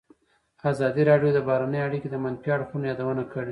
ازادي راډیو د بهرنۍ اړیکې د منفي اړخونو یادونه کړې.